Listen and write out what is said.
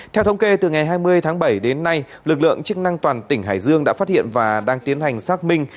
theo thống kê từ ngày hai mươi tháng bảy đến nay lực lượng chức năng toàn tỉnh hải dương đã phát hiện và đang tiến hành xác minh